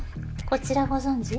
こちらご存じ？